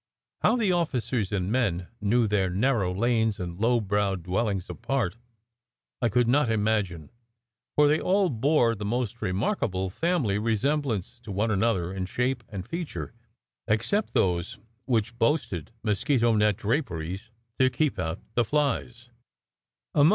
How the officers and men knew their narrow lanes and low browed dwellings apart, I could not imagine, for they all bore the most remarkable family resemblance to one another in shape and feature, except those which boasted mosquito net draperies to keep out the flies.